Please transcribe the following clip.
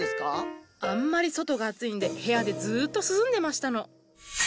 あんまり外が暑いんで部屋でずっと涼んでましたの。